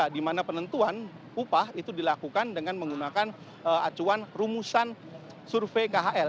di mana penentuan upah itu dilakukan dengan menggunakan acuan rumusan survei khl